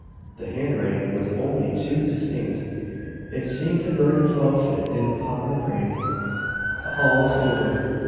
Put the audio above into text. The handwriting was only too distinct: it seemed to burn itself in upon her brain. All was over.